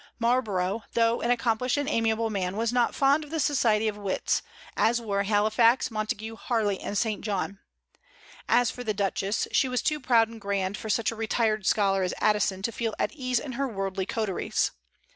Marlborough, though an accomplished and amiable man, was not fond of the society of wits, as were Halifax, Montague, Harley, and St. John. As for the Duchess, she was too proud and grand for such a retired scholar as Addison to feel at ease in her worldly coteries.